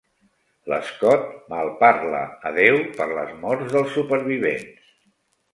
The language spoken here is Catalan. L'Scott malparla a Déu per les morts dels supervivents.